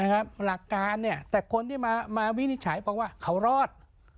หลักการแต่คนที่มาวินิจฉัยบอกว่าเขารอด